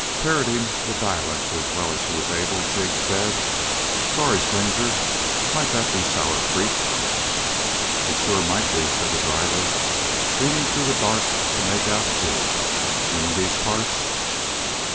Parodying the dialect as well as she was able, Jig said: "Sorry, stranger. Might that be Sour Creek?" "It sure might be," said the driver, leaning through the dark to make out Jig. "New in these parts?"